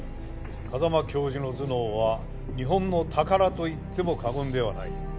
風間教授の頭脳は日本の宝と言っても過言ではない。